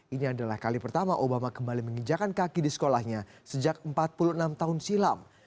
ini adalah kali pertama obama kembali menginjakan kaki di sekolahnya sejak empat puluh enam tahun silam